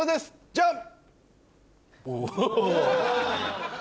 ジャン！